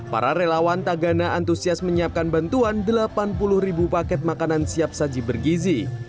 para relawan tagana antusias menyiapkan bantuan delapan puluh ribu paket makanan siap saji bergizi